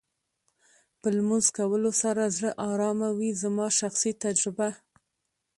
په لمونځ کولو سره زړه ارامه وې زما شخصي تجربه.